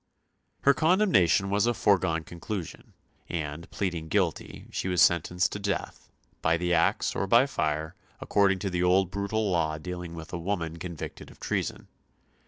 Her condemnation was a foregone conclusion, and, pleading guilty, she was sentenced to death, by the axe or by fire, according to the old brutal law dealing with a woman convicted of treason.